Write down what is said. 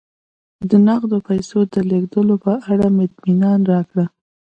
د نغدو پیسو د لېږلو په اړه اطمینان راکړه